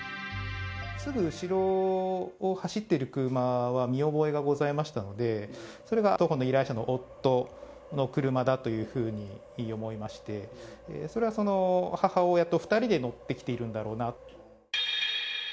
すぐ後ろを走っている車は見覚えがございましたので、それが当方の依頼者の夫の車だというふうに思いまして、それがその母親と２人で乗ってきているんだろうな。